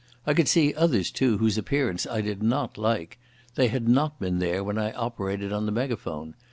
I could see others, too, whose appearance I did not like. They had not been there when I operated on the megaphone.